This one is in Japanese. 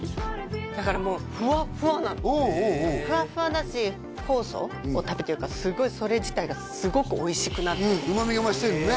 だからもうふわっふわなのふわっふわだし酵素を食べてるからすごいそれ自体がすごくおいしくなってるうん旨味が増してるのね